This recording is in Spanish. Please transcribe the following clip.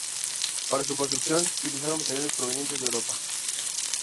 Para su construcción se utilizaron materiales provenientes de Europa.